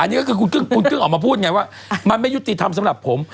อันนี้ก็คือคุณกึ้งออกมาพูดไงว่ามันไม่ยุติธรรมสำหรับผม